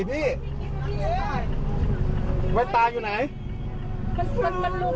โหเจ้ากล้องทำไมไปไหนเนี่ยลูก